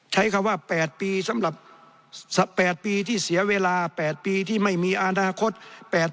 ใช้คำว่า๘ปีที่เสียเวลา๘ปีที่ไม่มีอนาคต